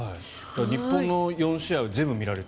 日本の４試合を全部見られると。